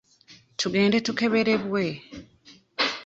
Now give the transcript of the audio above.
Tugende tukeberebwe